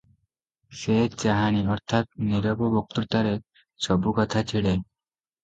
ସେ ଚାହାଣୀ ଅର୍ଥାତ୍ ନୀରବ ବକ୍ତୃତାରେ ସବୁ କଥା ଛିଡ଼େ ।